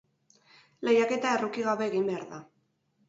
Lehiaketa erruki gabe egin behar da.